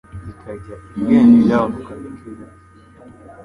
ikajya igenda igabanuka gake gake